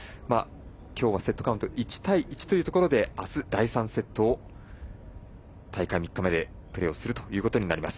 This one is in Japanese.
きょうはセットカウント１対１というところであす第３セットを大会３日目でプレーするということになります。